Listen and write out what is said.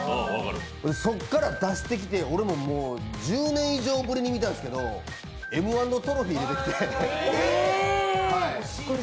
そっから出してきて、俺も１０年ぶり以上に見たんですけど「Ｍ−１」のトロフィー出てきて。